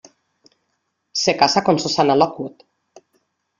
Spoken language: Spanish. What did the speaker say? Se casa con Susanna Lockwood.